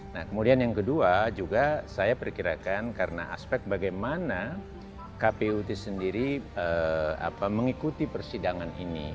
nah kemudian yang kedua juga saya perkirakan karena aspek bagaimana kput sendiri mengikuti persidangan ini